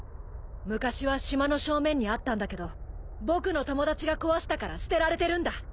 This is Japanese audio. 昔は島の正面にあったんだけど僕の友達が壊したから捨てられてるんだ。